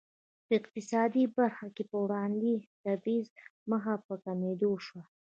په اقتصادي برخه کې پر وړاندې تبعیض مخ په کمېدو شو.